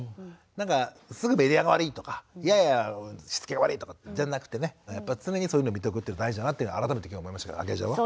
なんかすぐメディアが悪いとかいやいやしつけが悪いとかじゃなくてねやっぱ常にそういうの見とくっていうの大事だなって改めて今日思いましたけどあきえちゃんは？